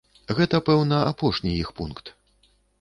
Гэта пэўна апошні іх пункт.